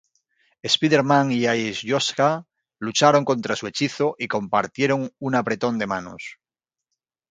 Spider-Man y Alyosha lucharon contra su hechizo y compartieron un apretón de manos.